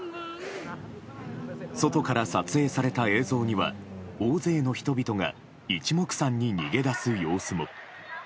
外から撮影された映像には大勢の人々が一目散に逃げ出す様子も。